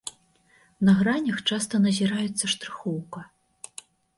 На гранях часта назіраецца штрыхоўка.